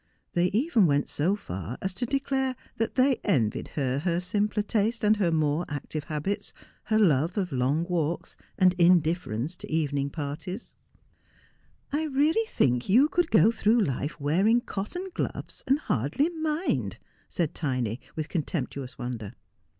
They even went so far as to declare that they envied her her simpler tastes and her more active habits, her love of long walks and indifference to evening parties. 298 Just as I Am. ' I really think you could go through life wearing cotton gloves, and hardly mind,' said Tiny, with contemptuous wonder.